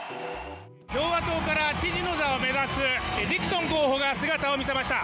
共和党から知事の座を目指すディクソン候補が姿を魅せました。